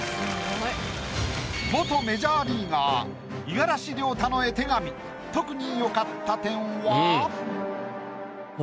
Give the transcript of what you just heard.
元メジャーリーガー五十嵐亮太の絵手紙特に。